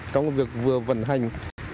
trong việc vừa vận hành